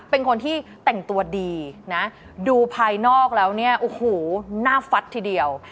เป็นคนที่แต่งตัวดีนะดูภายนอกแล้วเนี่ยโอ้โหหน้าฟัดทีเดียว